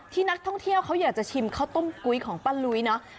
ที่นักท่องเที่ยวเขาอยากจะชิมข้าวต้มกุ้ยของป้าลุ้ยเนาะ